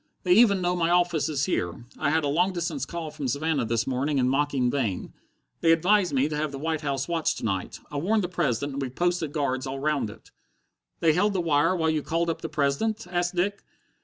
They even know my office is here. I had a long distance call from Savannah this morning in mocking vein. They advised me to have the White House watched to night. I warned the President, and we've posted guards all round it." "They held the wire while you called up the President?" asked Dick.